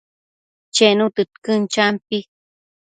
Chenu tëdquën, champi